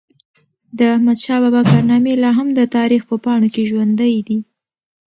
د احمدشاه بابا کارنامي لا هم د تاریخ په پاڼو کي ژوندۍ دي.